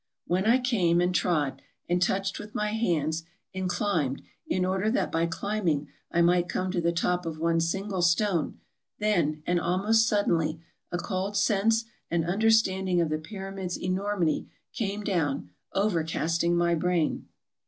When I came, and trod, and touched with my hands, and climbed, in order that by climbing I might come to the top of one single stone, then, and almost suddenly, a cold sense and understanding of the Pyramid's enormity came down, overcasting my brain.